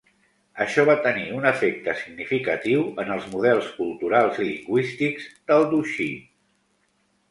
Això va tenir un efecte significatiu en els models culturals i lingüístics del Duchy.